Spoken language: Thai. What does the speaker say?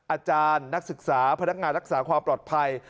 อาจารย์นักศึกษาพนักงานรักษาความปลอดภัย